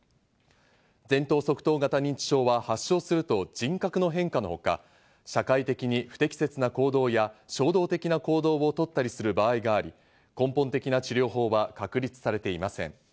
前頭側頭型認知症は発症すると人格の変化のほか、社会的に不適切な行動や衝動的な行動をとったりする場合があり、根本的な治療法は確立されていません。